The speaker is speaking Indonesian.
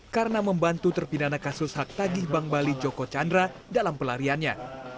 karena membantu terpidana kasus hak tagih bank bali joko chandra dalam pelariannya